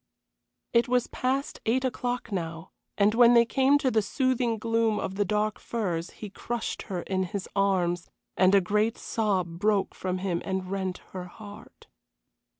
It was past eight o'clock now, and when they came to the soothing gloom of the dark firs he crushed her in his arms, and a great sob broke from him and rent her heart.